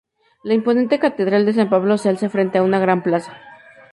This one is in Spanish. La imponente Catedral de San Pablo se alza frente a una gran plaza.